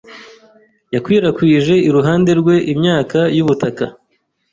Yakwirakwije iruhande rwe imyaka y’ubutaka